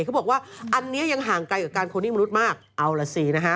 เขาบอกว่าอันนี้ยังห่างไกลกับการคนที่มนุษย์มากเอาล่ะสินะฮะ